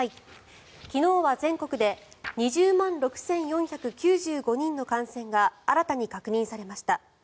昨日は全国で２０万６４９５人の感染が新たに確認されました。